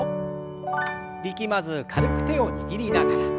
力まず軽く手を握りながら。